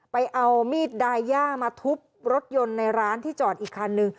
ไปเอามีดดายย่ามาทุบรถยนต์ในร้านที่จอดอีกคันนึง